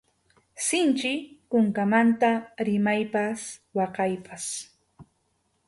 Sinchi kunkamanta rimaypas waqaypas.